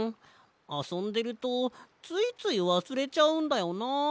あそんでるとついついわすれちゃうんだよな。